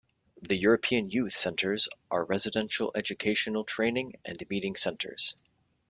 The European Youth Centres are residential educational, training and meeting centres.